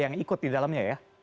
yang ikut di dalamnya ya